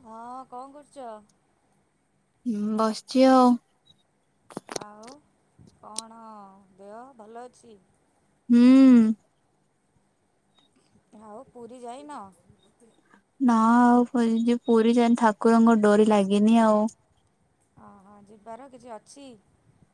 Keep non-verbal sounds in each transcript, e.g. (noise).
ହଁ କଣ କରୁଚ? ହଁ ବସିଚି ଆଉ। ଆଉ କଣ ଦେହ ଭଲ ଅଛି? ହୁଁ। ଆଉ ପୁରୀ ଯାଇନ? ନା ଆଉ ଯ ପୁରୀ ଯାନ ଠାକୁରଙ୍କ ଡୋରି ଲାଗିନି ଆଉ। ହଁ ହଁ ଯିବାର କିଛି ଅଛି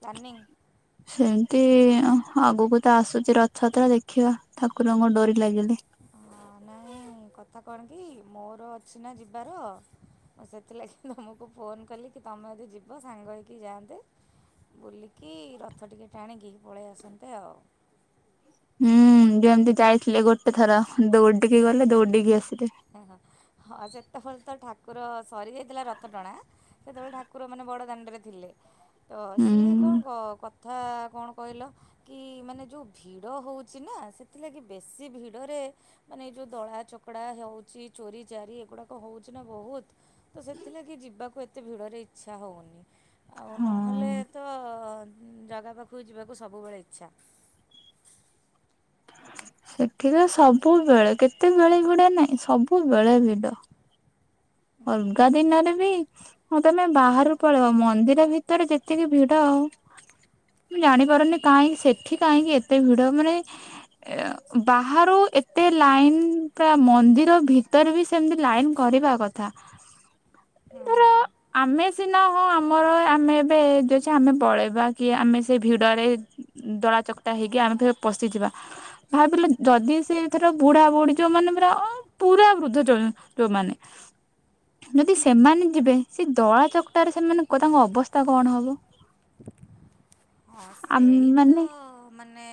ପ୍ଲାନିଂ? ସେମିତି ଆଗକୁ ତ ଆସୁଚି ରଥଯାତ୍ରା ଦେଖିବା ଠାକୁରଙ୍କ ଡୋରି ଲାଗିଲେ ହ ନାଇଁ କଥା କଣ କି ମୋର ଅଛି ନା ଯିବାର ମୁଁ ସେଥିଲାଗି ତମକୁ ଫୋନ୍ କଲି କି ତମେ ଯଦି ଯିବ ସାଙ୍ଗ ହୋଇକି ଯାଆନ୍ତେ। ବୁଲିକି ରଥ ଟିକେ ଟାଣିକି ପଳେଇ ଆସନ୍ତେ ଆଉ। ହୁଁ ଯେମିତି ଯାଇଥିଲେ ଗୋଟେ ଥର ଦୌଡିକି ଗଲେ ଦୌଡିକି ଆସିଲେ। ହଁ ସେତେବେଳେ ତ ଠାକୁର ସରି ଯାଇଥିଲା ରଥ ଟଣା। ସେତେବେଳେ ଠାକୁର ମାନେ ବଡ ଦାଣ୍ଡରେ ଥିଲେ। ତ ହୁଁ ସିଏ କଣ କ କଥା କଣ କହିଲ କି ମାନେ ଯଉ ଭିଡ଼ ହେଉଚି ନା ସେଥିଲାଗି ବେଶୀ ଭିଡ଼ରେ ମାନେ ଏଇ ଯଉ ଦଳା ଚକଡା ହଉଚି ଚୋରି ଚାରି ଏଗୁଡାକ ହଉଚି ନା ବହୁତ ତ ସେଥିଲାଗି ଯିବାକୁ ଏତେ ଭିଡ଼ରେ ଇଚ୍ଛା ହଉନି। ଆଉ ନହେଲେ ହଁ। ତ ଜାଗା ପାଖକୁ ଯିବାକୁ ସବୁବେଳେ ଇଚ୍ଛା। ସେଠି ତ ସବୁବେଳେ କେତେବେେଳେ ଗୁଡା ନାଇଁ ସବୁବେଳେ ଭିଡ। ଅଲଗା ଦିନରେ ବି ହଁ ତମେ ବାହାରୁ ପଳେଇବ ମନ୍ଦିର ଭିତରେ ଯେତିକି ଭିଡ ଆଉ ମୁଁ ଜାଣିପାରୁନି କାହିଁକି ସେଠି କାହିଁକି ଏତେ ଭିଡ ମାନେ ଏ ବାହାରୁ ଏତେ ଲାଇନ ତା ମନ୍ଦିର ଭିତରେ ବି ସେମିତି ଲାଇନ କରିବା କଥା। ହୁଁ। ଧର ଆମେ ସିନା ହ ଆମର ଆମେ ଏବେ ଯେ ଅଛି ଆମେ ପଳେଇବା କି ଆମେ ସେ ଭିଡରେ ଦଳା ଚକଟା ହେଇକି ଆମେ ଫେର୍ ପଶିଯିବା। ଭାବିଲ ଯଦି ସେ ଏଥର ବୁଢା ବୁଢି ଯୋଉ ମାନେ ପୁରା ଅ ପୁରା ବୃଦ୍ଧ ଯୋ ଯୋଉମାନେ। ଯଦି ସେମାନେ ଯିବେ ସେ ଦଳା ଚକଟାରେ ସେମାନ କ ତାଙ୍କ ଅବସ୍ଥା କଣ ହବ? ହଁ ଆମେ ସେଇତ ମାନେ ମାନେ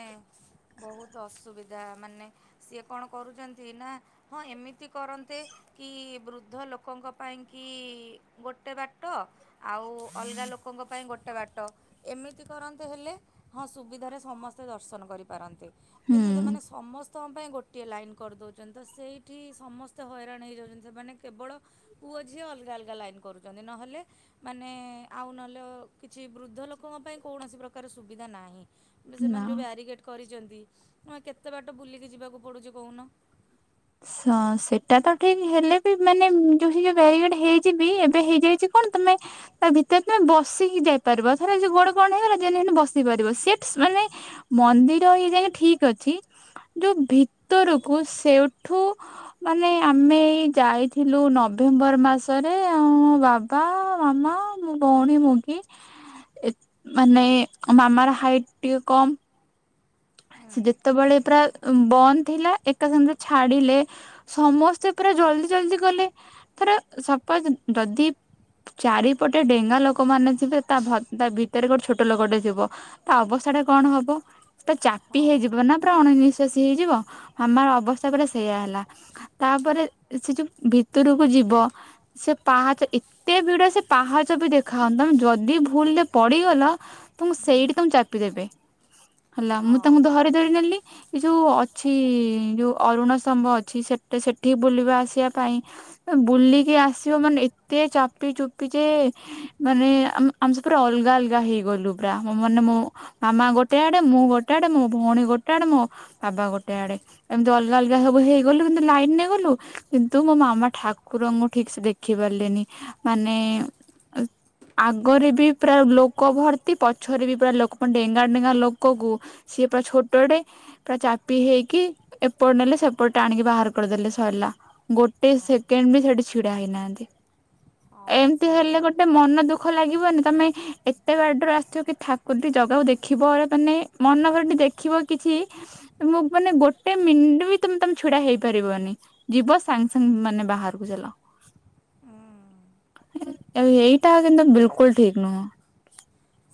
ବହୁତ ଅସୁବିଧା ମାନେ ସିଏ କଣ କରୁଛନ୍ତି ନା ହଁ ଏମିତି କରନ୍ତେ। କି ବୃଦ୍ଧ ଲୋକଙ୍କ ପାଇଁ କି ଗୋଟେ ବାଟ। ଆଉ ଅଲଗା ଲୋକଙ୍କ ପାଇଁ ଗୋଟେ ବାଟ ଏମିତି କରନ୍ତେ ହେଲେ ହଁ ସୁବିଧାରେ ସମସ୍ତେ ଦର୍ଶନ କରିପାରନ୍ତେ। ହୁଁ କିନ୍ତୁ ସେମାନେ ସମସ ସଙ୍କ ପାଇଁ ଗୋଟିଏ ଲାଇନ୍ କରିଦେଉଛନ୍ତି ତ ସେଇଠି ସମସ୍ତେ ହଇରାଣ ହେଇଯାଉଛନ୍ତି ସେମାନେ କେବଳ ପୁଅଝିଅ ଅଲଗା ଅଲଗା ଲାଇନ୍ କରୁଛନ୍ତି ନହେଲେ ମାନେ ଆଉ ନହେଲେ କିଛି ବୃଦ୍ଧ ଲୋକଙ୍କ ପାଇଁ କୌଣସି ପ୍ରକାର ସୁବିଧା ନାହିଁ କି ସେମାନେ ନା ଯୋଉ ବ୍ୟାରିଗେଟ୍ କରିଛନ୍ତି ନୁହେଁ କେତେ ବାଟ ବୁଲିକି ଯିବାକୁ ପଡ଼ୁଚି କହୁନ। ସଁ ସେଟା ତ ଠିକ ହେଲେ ବି ମାନେ ଯୋଉ ଯୋଉ ବ୍ୟାରିଗେଡ ହେଇଚିବି ଏବେ ହେଇଯାଇଛି କଣ ତମେ ତା ଭିତରେ ତମେ ବସିକି ଯାଇପାରିବ ଏଥର ଯୋଉ ଗୋଡ କଣ ହେଇଗଲା ଯେନେ ହେଲେ ବସି ପାରିବ ସିଟ ମାନେ ମନ୍ଦିର ଇଏ ଯାଏ ଠିକ ଅଛି ଯୋଉ ଭିତରକୁ ସେଉଠୁ ମାନେ ଆମେ ଏଇ ଯାଇଥିଲୁ ନଭେମ୍ବର ମାସରେ ଆଉ ମୋ ବା ପା ମାମା ମୋ ଭଉଣୀ ମୁଗୀ। ଏତେ ମାନେ ମାମାର ହାଇଟ୍ ଟିକେ କମ୍। ହୁଁ। ସେ ଯେତେବେଳେ ପୁରା ବନ୍ଦ ଥିଲା ଏକା ସାଙ୍ଗରେ ଛାଡିଲେ। ସମସ୍ତେ ପୁରା ଜଲଦି ଜଲଦି ଗଲେ ଏଥିରେ ସପୋଜ ଯଦି ଚାରିପଟେ ଡେଙ୍ଗା ଲୋକ ମାନେ ଥିବେ ତା ଭ ଭିତରେ ଗୋଟେ ଛୋଟ ଲୋକଟେ ଥିବ। ତା ଅବସ୍ଥା ଟା କଣ ହବ ତ ଚାପି ହଁ। ହେଇଯିବ ନା। ପୁରା ଅଣ ନିିଶ୍ୱାସୀ ହେଇଯିବ। ହାମାର ଅବସ୍ଥା ପୁରା ସେଇଆ ହେଲା। ତାପରେ ସେ ଯୋଉ ଭିତରକୁ ଯିବ ସେ ପାହାଚ ଏତେ ଭିଡ ସେ ପାହାଚ ବି ଦେଖା ହଉନି ତମେ ଯଦି ଦି ଭୁଲରେ ପଡ଼ିଗଲ ତମକୁ ସେଇଠି ତମକୁ ଚାପିଦେବେ। ହେଲା ହଁ ମୁଁ ତାଙ୍କୁ ଧରି ଧରି ନେଲି। ଏ ଯୋଉ ଅଛି ଯୋଉ ଅରୁଣ ସ୍ତମ୍ୱ ଅଛି ସେଟ ସେଠିକ ବୁଲିବା ଆସିବା ପାଇଁ ବୁଲିକି ଆସିବ ମାନେ ଏତେ ଚାପି ଚୁପି ଯେ ମାନେ ଆ ଆମେ ପୁରା ଅଲଗା ଅଲଗା ହେଇଗଲୁ ପୁରା ମାନେ ମୋ ମାମା ଗୋଟେ ଆ ଡେ ମୁଁ ଗୋଟେ ଆଡେ ମୋ ଭଉଣୀ ଗୋଟେ ଆଡେ ମୋ ବାପା ଗୋଟେ ଆଡେ ଏମିତି ଅଲଗା ଅଲଗା ସବୁ ହେଇଗଲୁ କିନ୍ତୁ ଲାଇନିରେ ଗଲୁ। କିନ୍ତୁ ମୋ ମାମା ଠାକୁରଙ୍କୁ ଠିକ୍ ସେ ଦେଖି ପାରିଲେନି ମାନେ ସେ ଆଗରେ ବି ପୁରା ଲୋକ ଭର୍ତ୍ତି ପଛରେ ବି ପୁରା ଲୋକ ମାନେ ଡେଙ୍ଗା ଡେଙ୍ଗା ଲୋ କୋ ଗୁ ସିଏ ପରା ଛୋଟଟେ। ପୁରା ଚାପି ହେଇକି ଏପଟ ନେଲେ ସେପଟେ ଟାଣିକି ବାହାର କରିଦେଲେ ସଇଲା। ଗୋଟେ ହଁ ସେକେଣ୍ଡେ ବି ସେଠି ଛିଡା ହେଇନାହାନ୍ତି ହଁ ଏମିତି ହେଲେ ସେ ଗୋଟେ ମନ ଦୁଃ ଖ ଲାଗିବନି ତମେ ଏତେ ବାଟରୁ ଆସିଥିବକି ଠାକୁ ଯଦି ଜାଗାକୁ ଦେଖିବ ମାନେ ମନ ଭରି ଟିକେ ଦେଖିବ କିଛି ମୁଁ ମାନେ ଗୋଟେ ମିଣ୍ଟି ବି ତମେ ତମେ ଛିଡା ହେଇପାରିବନି। ଯିବ ସାଙ୍ଗେ ସାଙ୍ଗେ ମାନେ ବାହାରକୁ ଚାଲ। ଏଇଟା କିନ୍ତୁ ବିଲକୁଲ୍ ଠିକ ନୁହଁ।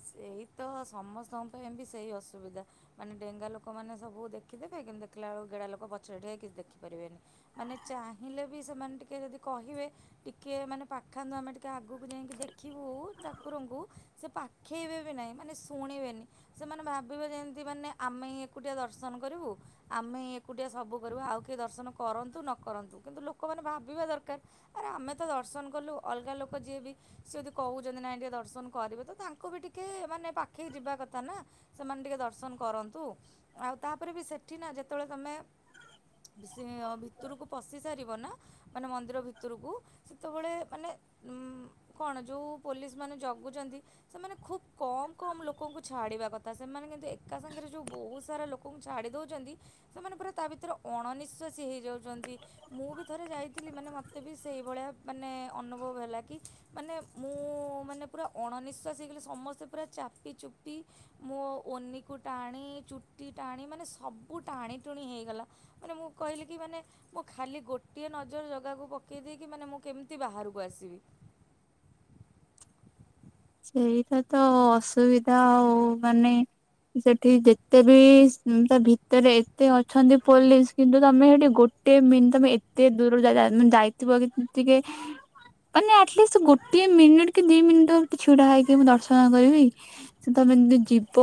ସେଇ ତ ସମସ୍ତଙ୍କ ପାଇଁ ବି ସେଇ ଅସୁବିଧା। ମାନେ ଡେଙ୍ଗା ଲୋକମାନେ ସବୁ ଦେଖିଦେବେ କିନ୍ତୁ ଦେଖିଲା ବେଳୁକୁ ଗେଡ଼ା ଲୋକ ପଛରେ ଠିଆ ହେଇକି କିଛି ଦେଖିପାରିବେନି। ମାନେ ଚାହିଁଲେ ବି ସେମାନେ ଟିକେ ଯଦି କହିବେ ଟିକେ ମାନେ ପାଖାନ୍ତୁ ଆମେ ଟିକେ ଆଗକୁ ଯାଇଁକି ଦେଖିବୁ ଠାକୁରଙ୍କୁ ସେ ପା ଖେଇବେବି ନାହିଁ ମାନେ ଶୁଣିବେନି। ସେମାନେ ଭାବିବେ ଯେମିତି ମାନେ ଆମେ ହିଁ ଏକୁଟିଆ ଦର୍ଶନ କରିବୁ। ଆମେ ହିଁ ଏକୁଟିଆ ସବୁ କରିବୁ ଆଉ କିଏ ଦର୍ଶନ କରନ୍ତୁ ନକରନ୍ତୁ କିନ୍ତୁ ଲୋକମାନେ ଭାବିବା ଦରକାର ଆରେ ଆମେ ତ ଦର୍ଶନ କଲୁ ଅଲଗା ଲୋକ ଯିଏ ବି ସିଏ ଯଦି କହୁଚନ୍ତି ନାଇ ଟିକେ ଦର୍ଶନ କରିବେ ତ ତା ଙ୍କୁ ବି ଟିକେ ମାନେ ପାଖେଇ ଯିବା କଥା ନା ସେମାନେ ଟିକେ ଦର୍ଶନ କରନ୍ତୁ। ଆଉ ତାପରେ ବି ସେଠି ନା ଯେତବେଳେ ତମେ (unintelligible) ଭିତୁରୁକୁ ପଶି ସାରିବ ନା ମାନେ ମନ୍ଦିର ଭିତୁରୁକୁ ସେତବେଳେ ମାନେ ଉଁ କଣ ଯୋଉ ପୋଲିସ ମାନେ ଜଗୁଚନ୍ତି ସେମାନେ ଖୁବ୍ କମ୍ କମ୍ ଲୋକଙ୍କୁ ଛାଡ଼ିବା କଥା ସେମାନେ କିନ୍ତୁ ଏକା ସାଙ୍ଗରେ ଯୋଉ ବହୁତ ସାରା ଲୋ ଙ୍କୁ ଛାଡ଼ି ଦଉଚନ୍ତି ସେମାନେ ପୁରା ତା ଭିତରେ ଅଣନିଶ୍ୱାସୀ ହେଇଯାଉଚନ୍ତି। ମୁଁ ବି ଥରେ ଯାଇଥିଲି ମାନେ ମୋତେ ବି ସେଇଭଳିଆ ମାନେ ଅନୁଭବ ହେଲା କି ମାନେ ମୁଁ ମାନେ ପୁରା ଅଣନିଶ୍ୱାସ ହେଇଗଲି ସମସ୍ତେ ପୁରା ଚାପି ଚୁପି ମୋ ଓନିକୁ ଟାଣି ଚୁଟି ଟାଣି ମାନେ ସବୁ ଟାଣି ଟୁଣି ହେଇଗଲା। ମାନେ ମୁଁ କହିଲି କି ମାନେ ମୁଁ ଖାଲି ଗୋଟିଏ ନଜର ଜଗାକୁ ପକେଇ ଦେଇକି ମାନେ ମୁଁ କେମିତି ବାହାରୁକୁ ଆସିବି। ସେଇଟା ତ ଅସୁବିଧା ଆଉ ମାନେ ସେଠି ଯେତେ ବି ତା ଭିତରେ ଏତେ ଅଛନ୍ତି ପୋଲିସ କିନ୍ତୁ ତମେ ହେଟି ଗୋଟେ ମି ତମେ ଏତେ ଦୂରରୁ ଯା-ଯା ମାନେ ଯାଇଥିବ କି ଟିକେ ମାନେ ଆଟଲିଷ୍ଟ ଗୋଟିଏ ମିନିଟ୍ କି ଦି ମିନିଟ୍ ହୋଉ ଛିଡ଼ା ହେଇକି ମୁଁ ଦର୍ଶନ କରିବି। ସେ ତମେ ଏମିତି ଯିବ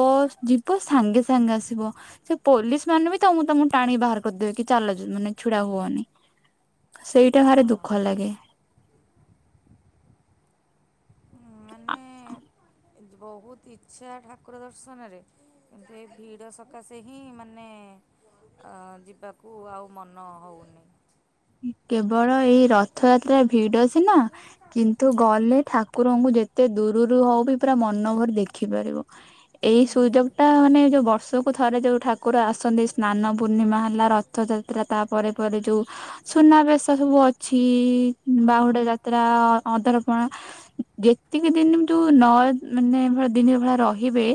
ଯିବ ସାଙ୍ଗେ ସାଙ୍ଗେ ଆସିବ। ସେ ପୋଲିସ ମାନେ ବି ତମକୁ ତମକୁ ଟାଣିକି ବାହାର କରିଦେବେ କି ଚାଲ ମାନେ ଛିଡା ହୁଅନି। ସେଇଟା ହଁ ଭାରି ଦୁଃଖ ଲାଗେ। ହୁଁ ମାନେ ବହୁତ ଇଚ୍ଛା ଠାକୁର ଦର୍ଶନରେ। କିନ୍ତୁ ଏଇ ଭିଡ ସକାଶେ ହିଁ ମାନେ ଅ ଯିବାକୁ ଆଉ ମନ ହଉନି। କେବଳ ଏଇ ରଥଯାତ୍ରା ଭିଡ ସିନା କିନ୍ତୁ ଗଲେ ଠାକୁରଙ୍କୁ ଯେତେ ଦୂରୁରୁ ହଉ ବି ପୁରା ମନ ଭରି ଦେଖି ପାରିବ। ଏଇ ହୁଁ। ସୁଯୋଗ ଟା ମାନେ ଯୋଉ ବର୍ଷକୁ ଥରେ ଯୋଉ ଠାକୁର ଆ ଆସନ୍ତି ସ୍ନାନ ପୂର୍ଣ୍ଣିମା ହେଲା ରଥଯାତ୍ରା ତାପରେ ପରେ ଯୋଉ ସୁନାବେଶ ସବୁ ଅଛି ବାହୁଡା ହଁ। ଯାତ୍ରା ଅଧରପଣା ଯେତିକି ଦିନି ଯୋଉ ନ ମାନେ ଭଳି ଦିନ ଭଳିଆ ରହିବେ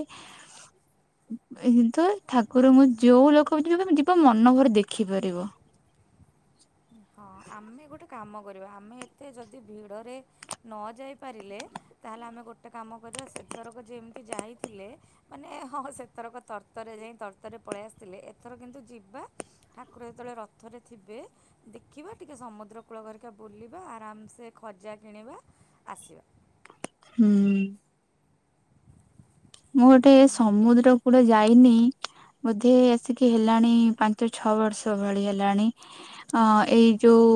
କିନ୍ତୁ ଠାକୁର ଙ୍କୁ ଯୋଉ ଲୋକ ବି ଯିବେ ଯିବ ମନ ଭରି ଦେଖି ପାରିବ। ହଁ ଆମେ ଗୋଟେ କାମ କରିବା ଆମେ ଏତେ ଯଦି ଭିଡ଼ରେ ନ ଯାଇପାରିଲେ ତାହେଲେ ଆମେ ଗୋଟେ କାମ କରିବା ସେଥରକ ଯେମତି ଯାଇଥିଲେ ମାନେ ହଁ ହଁ ସେଥରକ ତରତରେ ଯାଇ ତରତରେ ପଳେଇ ଆସିଥିଲେ ଏଥର କିନ୍ତୁ ଯିବା ଠାକୁର ଯେତେବଳେ ରଥରେ ଥିବେ ଦେଖିବା ଟିକେ ସମୁଦ୍ର କୂଳ ଘରିକା ବୁଲିବା ଆରାମସେ ଖଜା କିଣିବା ଆସିବା। ହୁଁ। ମୁଁ ଗୋଟେ ଏ ସମୁଦ୍ର କୂଳ ଯାଇନି ବୋଧେ ଆସିକି ହେଲାଣି ପାଞ୍ଚ ଛଅ ବର୍ଷ ଭଳି ହେଲାଣି। ଅଁ ଏଇ ଯୋଉ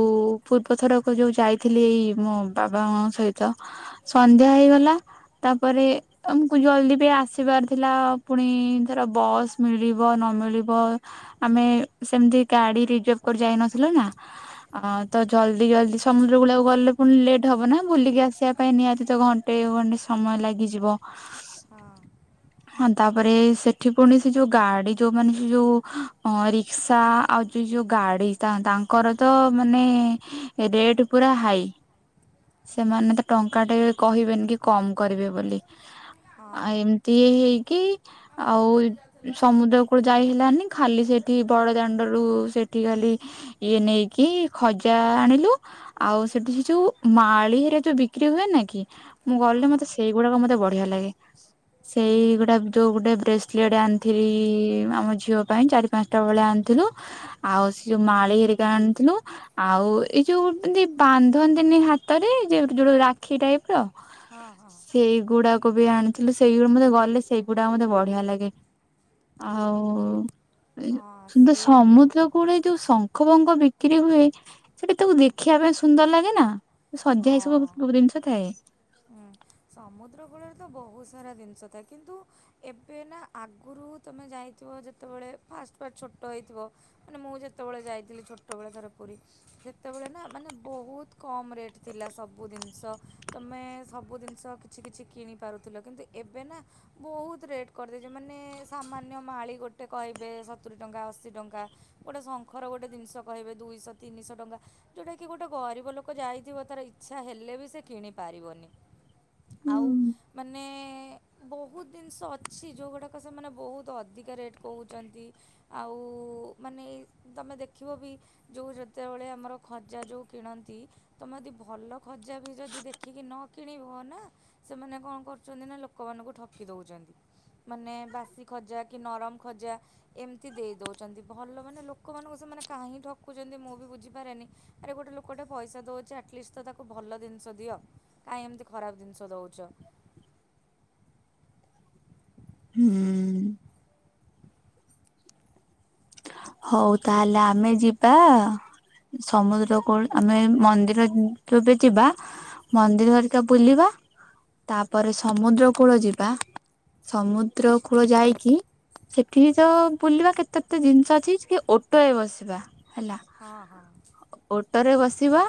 ପୂର୍ବ ଥରକ ଯୋଉ ଯାଇଥିଲି ଏଇ ମୋ ବାବା ମାମା ଙ୍କ ସହି ତ ସନ୍ଧ୍ୟା ହେଇଗଲା ତାପରେ ଆମୁକୁ ଜଲଦି ବି ଆସିବାର ଥିଲା ପୁଣି ଧର ବସ୍ ମିଳିବ ନ ମିିଳିବ ଆମେ ସେମତି ଗାଡି ରିଜର୍ଭ କରି ଯାଇନଥିଲୁ ନା। ଅଁ ତ ଜଲଦି ଜଲଦି ସମୁଦ୍ର କୂଳକୁ ଗଲେ ପୁଣି ଲେଟ୍ ହବ ନା ବୁଲିକି ଆସିଆ ପାଇଁ ନିହାତି ତ ଘ ଣ୍ଟେ ଖଣ୍ଡେ ସମୟ ଲାଗିଯିବ। ହଁ। ହଁ ତାପରେ ସେଠି ପୁଣି ସେ ଯୋଉ ଗାଡି ଯୋଉମାନେ ସେ ଯୋଉ ଅଁ ରିକ୍ସା ଆଉ ସେ ଯୋଉ ଗାଡି ତା-ତାଙ୍କର ତ ମାନେ ରେଟ୍ ପୁରା ହାଇ। ସେମାନେ ତ ଟଙ୍କାଟେ ବି କହିବେନି କି କମ୍ କରିବେ ବୋଲି। ହଁ ଆ ହଁ। ଏମତି ଏ ହେଇକି ଆମ ଆଉ ଦୋକାନରେ ଯାଉଥିଲା ନା ସମୁଦ୍ର କୂଳ ଯାଇ ହେଲାନି ଖାଲି ସେଇଠି ବଡ଼ଦାଣ୍ଡରୁ ସେଠି ଖାଲି ଇଏ ନେଇକି ଖଜା ଆଣିଲୁ। ଆଉ ସେଠି ସେ ଯୋଉ ମାଳି ହେରିକା ଯୋଉ ବିକ୍ରି ହୁଏ ନା କି। ମୁଁ ଗଲେ ଆଉ। ମତେ ସେଇଗୁଡାକ ମତେ ବଢିଆ ଲାଗେ। ହଁ ସେଇ ହଁ ହୁଁ ଗୁଡା ଯୋଉ ଗୋଟେ ବ୍ରେସଲେଟ ଆଣିଥିଲି ଆମ ଝିଅ ପାଇଁ ଚାରି ପାଞ୍ଚଟା ଭଳିଆ ଆଣିଥିଲୁ। ଆଉ ସେ ଯୋଉ ମାଳି ହେରିକା ଆଣିଥିଲୁ। ଆଉ ଏଇ ଯୋଉ ଏମତି ବାନ୍ଧନ୍ତିନି ହାତରେ ଯେ ଯୋଉ ରାକ୍ଷୀ ଟାଇପର। ହଁ ହଁ। ଏଇ ଗୁଡାକ ବି ଆଣିଥିଲୁ। ସେଇଗୁଡା ମତେ ଗଲେ ସେଇଗୁଡାକ ମତେ ବଢିଆ ଲାଗେ ଆଉ ଏ ହଁ କିନ୍ତୁ ସିଏ ସମୁଦ୍ର କୂଳେ ଯୋଉ ଶଙ୍ଖ ବଙ୍ଗ ବିକ୍ରି ହୁଏ ସେଟି ତାକୁ ଦେଖିଆ ପାଇଁ ସୁନ୍ଦର ଲାଗେନା। ସଜିଆ ହେଇ ସବୁ ହଁ। ସବୁ ଜିନିଷ ଥାଏ। ହୁଁ ସମୁଦ୍ର କୂଳରେ ତ ବହୁତ ସାରା ଜିନିଷ ଥାଏ କିନ୍ତୁ ଏବେ ନା ଆଗୁରୁ ତମେ ଯାଇଥିବ ଯେତେବେଳେ ଫାଷ୍ଟ ଫାଷ୍ଟ ଛୋଟ ହେଇଥିବ। ମାନେ ମୁଁ ଯେତବେଶଳେ ଯାଇଥିଲି ଛୋଟ ବେଳେ ଥରେ ପୁରୀ। ଯେତେବେଳେ ନା ମାନେ ବହୁତ କମ ରେଟ ଥିଲା ସବୁ ଜିନିଷ ତମେ ସବୁ ଜି ନିଷ କିଛି କିଛି କିଣିପାରୁଥିଲ କିନ୍ତୁ ଏବେ ନା ବହୁତ ରେଟ୍ କରିଦେଇଚି ମାନେ ସାମାନ୍ୟ ମାଳି ଗୋଟେ କହିବେ ସତୁରୀ ଟଙ୍କା ଅଶୀ ଟଙ୍କା। ଗୋଟେ ଶଙ୍ଖର ଗୋଟେ ଜିନିଷ କହିବେ ଦୁଇଶ ତିନିଶ ଟଙ୍କା। ଯୋଉଟାକି ଗୋଟେ ଗରିବ ଲୋକ ଯାଇଥିବ ତାର ଇଚ୍ଛା ହେଲେ ବି ସେ କିଣିପାରିବନି। ହୁଁ ଆଉ ମାନେ ବହୁତ ଜିନିଷ ଅଛି ଯୋଉଗୁଡ଼ାକ ସେମାନେ ବହୁତ ଅଧିକା ରେଟ୍ କହୁଚନ୍ତି। ଆଉ ମାନେ ଏଇ ତମେ ଦେଖିବ ବି ଯୋଉ ଯେତେବେଳେ ଆମର ଖଜା ଯୋଉ କିଣନ୍ତି ତମେ ଯଦି ଭଲ ଖଜା ବି ଯଦି ଦେଖିକି ନ କିଣିବ ନା। ସେମାନେ କଣ କହୁଛନ୍ତି ନା ଲୋକ ମାନଙ୍କୁ ଠକି ଦେଉଛନ୍ତି ମାନେ ବାସି ଖଜା କି ନରମ ଖଜା ଏମତି ଦେଇ ଦଉଛନ୍ତି ଭଲ ମାନେ ଲୋକମାନଙ୍କୁ ସେମାନେ କାହିଁକି ଠକୁଛନ୍ତି ମୁଁ ବି ବୁଝିପାରେନି ଆରେ ଗୋଟେ ଲୋକଟେ ପଇସା ଦେଉଛି ଆଟଲିଷ୍ଟ ତ ତାକୁ ଭଲ ଜିନିଷ ଦି କାହିଁ ଏମିତି ଖରାପ ଜିନି ସ ଦଉଛ ହୁଁ ହଉ ତାହେଲେ ଆମେ ଯିବା ସମୁଦ୍ର କୋଳ ଆମେ ମନ୍ଦିର ଯଦି ଯିବା ମନ୍ଦିର ଘରିକା ବୁଲିବା ତାପରେ ସମୁଦ୍ର କୂଳ ଯିବା ସମୁଦ୍ର କୂଳ ଯାଇକି ସେଠି ତ ବୁଲିବା କେତେ କେତେ ଜିନିଷ ଅଛି ଟିକେ ଅଟୋରେ ବସିବା ହେଲା ହଁ ହଁ ଓଟୋରେ ବସିବା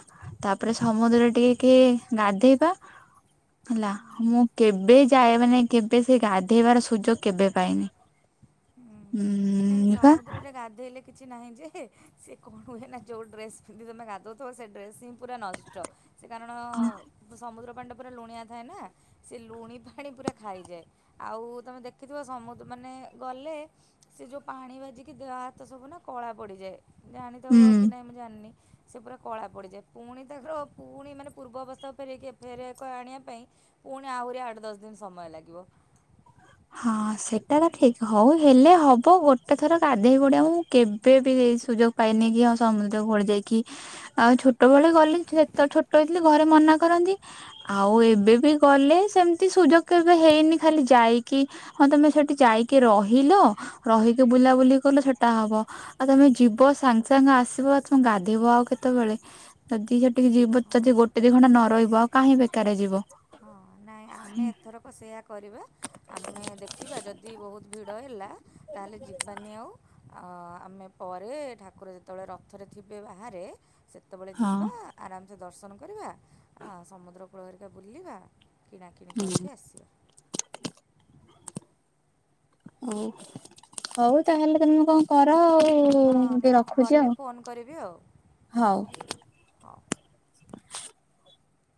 ତାପରେ ସମୁଦ୍ର ଟିକେ ଟିକେ ଗାଧେଇବା ହେଲା ମୁଁ କେବେ ଯାଏ ମାନେ କେବେ ସେ ଗାଧେଇବାର ସୁଯୋଗ କେବେ ପାଇନି ହୁଁ ହୁଁ ନାଇଁ ସମୁଦ୍ରରେ ଗାଧୋଇଲେ କିଛି ନାହିଁ ଯେ ସେ କଣ କୁ ଯାଇକିନା ଯୋଉ ଡ୍ରେସ ପିନ୍ଧି ତମେ ଗାଧଉଥିବ ସେ ଡ୍ରେସ ହିଁ ପୁରା ନଷ୍ଟ ସେ କାରଣ ସମୁଦ୍ର ପାଣି ଟା ପୁରା ଲୁଣିଆ ଥାଏ ନା ସେ ଲୁଣି ପାଣି ପୁରା ଖାଇଯାଏ ଆଉ ତମେ ଦେଖିଥିବ ସମୁଦ୍ର ମାନେ ଗଲେ ସେ ଯୋଉ ପାଣି ବାଜିକି ଦେ ହାତ ସବୁ ନା କଳା ପଡିଯାଏ ଜାଣିଥବ ଉଁ କି ନାଇଁ ମୁଁ ଜାଣିନି ସେ ପୁରା କଳା ପଡ଼ିଯାଏ ପୁଣି ତାଙ୍କର ପୁଣି ମାନେ ପୂର୍ବ ଅବସ୍ଥାକୁ ଫେରଇକି ଫେରାଇବାକୁ ଆଣିବା ପାଇଁ ପୁଣି ଆହୁରି ଆଠ ଦଶ ଦିନ ସମୟ ଲାଗିବ ହଁ ସେଟା ତ ଠିକ ହଉ ହେଲେ ହବ ଗୋଟେ ଥର ଗାଧେଇ ପଡ଼ିଆ ମୁ କେବେ ବି ସୁଯୋଗ ପାଇନକି ଆଉ ସମୁଦ୍ରକୁ କୂଳ ଯାଇକି ଆଉ ଛୋଟ ଭଳି ଗଲି ସେତେ ଛୋଟ ହେଇଥିଲି ଘରେ ମନା କରନ୍ତି ଆଉ ଏବେ ବି ଗଲେ ସେମିତି ସୁଯୋଗ କେବେ ହେଇନି ଖାଲି ଯାଇ କି ହଁ ତମେ ସେଠି ଯାଇକି ରହିଲ ରହିକି ବୁଲାବୁଲି କଲ ସେଟା ହବ ଆଉ ତମେ ଯିବ ସାଙ୍ଗେ ସାଙ୍ଗେ ଆସିବ ଆଉ ତମେ ଗାଧେଇବ ଆଉ କେତେବେଳେ ଯଦି ସେଠିକି ଯିବ ଯଦି ଗୋଟେ ଦି ଖଣ୍ଟା ନ ରହିବ ଆଉ କାହିଁ ବେକାରାରେ ଯିବ ହଁ ନାଇଁ ଆମେ ଏଥରକ ସେୟଆ କରିବା ଆମେ ଦେଖିବା ଯଦି ବହୁତ୍ ଭିଡ଼ ହେଲା ତାହାହେଲେ ଜୀବନୀ ଆଉ ଆ ଆମେ ପରେ ଠାକୁର ଯେତେବେଳେ ରଥରେ ଥିବେ ବାହାରେ ସେତେବେଳେ ହଁ। ଯିବା ଆରାମ ସେ ଦର୍ଶନ କରିବା ସମୁଦ୍ର କୂଳହରିକା ବୁଲିବା କିଣାକିଣି କରିକି ଆସିବା ହଉ ହଉ ତାହେଲେ ତମେ କଣ କର ଆଉ ହଁ ଟିକେ ମୁଁ ରଖୁଛି ଗଲେ ଆଉ ଫୋନ୍ କରିବି ଆଉ ହଉ ହଉ